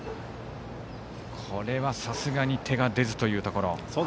これはさすがに手が出ずというところ。